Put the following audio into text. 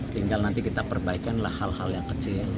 tinggal nanti kita perbaikanlah hal hal yang kecil